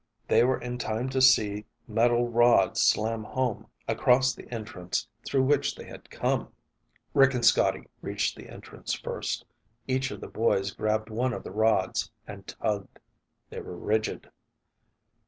They were in time to see metal rods slam home across the entrance through which they had come! Rick and Scotty reached the entrance first. Each of the boys grabbed one of the rods and tugged. They were rigid.